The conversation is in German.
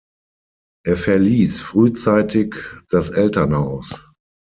Er verließ frühzeitig das Elternhaus.